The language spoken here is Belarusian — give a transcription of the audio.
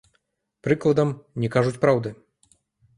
Прыкладам, не кажуць праўды.